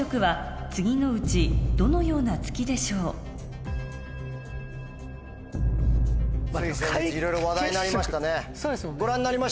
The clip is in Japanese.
つい先日いろいろ話題になりましたね。